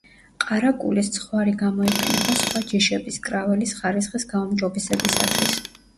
ყარაკულის ცხვარი გამოიყენება სხვა ჯიშების კრაველის ხარისხის გაუმჯობესებისათვის.